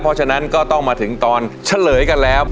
เพราะฉะนั้นก็ต้องมาถึงตอนเฉลยกันแล้ว